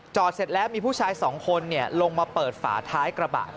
เสร็จแล้วมีผู้ชายสองคนลงมาเปิดฝาท้ายกระบะ